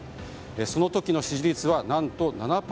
その時の支持率は何と、７％。